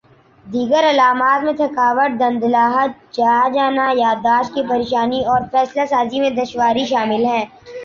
دیگر علامات میں تھکاوٹ دھندلاہٹ چھا جانا یادداشت کی پریشانی اور فیصلہ سازی میں دشواری شامل ہیں